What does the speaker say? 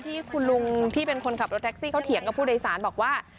ที่คุณลุงที่เป็นคนขับรถแท็กซี่เขาเถียงกับผู้โดยสารบอกว่า